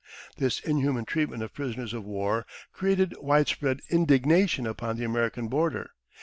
This inhuman treatment of prisoners of war created wide spread indignation upon the American border.